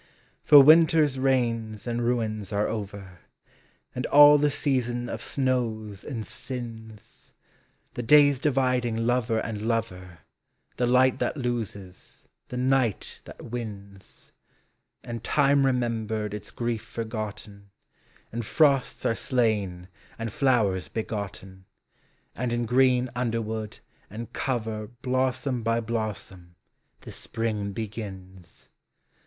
For winter's rains and ruins are over, And all the season of snows and sins. 7G POEMS OF MATURE. The days dividing lover and lover, The light that loses, the night that wins; And time remembered its grief forgotten, And frosts are slain and flowers begotten, And in green underwood and cover Blossom by blossom the spring begins.